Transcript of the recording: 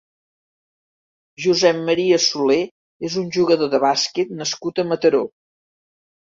Josep Maria Soler és un jugador de bàsquet nascut a Mataró.